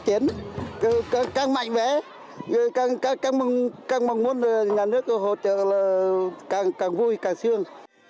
tôi rất vui càng xây dựng vật pháp càng phát triển càng mạnh mẽ càng mong muốn nhà nước hỗ trợ càng vui càng xương